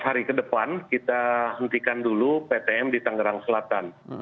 empat hari ke depan kita hentikan dulu ptm di tangerang selatan